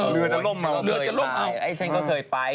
เหลือจะล่มเอาฉันก็เคยไป